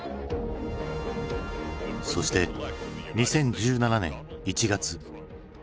そして２０１７年１月。